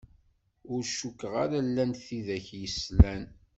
Ur cukkeɣ ara llant tidak i s-yeslan.